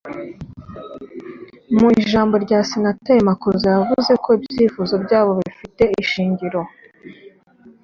Mu ijambo rye Senateri Makuza yavuze ko ibyifuzo byabo bifite ishingiro